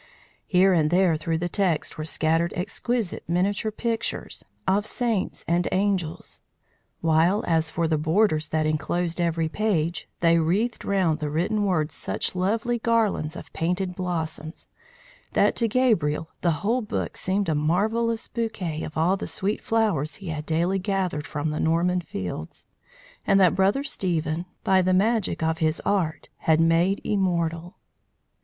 Here and there through the text were scattered exquisite miniature pictures of saints and angels; while as for the borders that enclosed every page, they wreathed around the written words such lovely garlands of painted blossoms, that to Gabriel the whole book seemed a marvellous bouquet of all the sweet flowers he had daily gathered from the Norman fields, and that Brother Stephen, by the magic of his art, had made immortal.